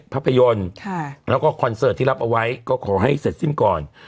ภาพยนตร์แล้วก็คอนเสิร์ตที่รับเอาไว้ก็ขอให้เสร็จสิ้นก่อน